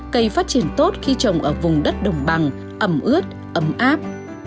cây phát triển tốt khi trồng ở vùng đất đồng bằng ẩm ướt ấm áp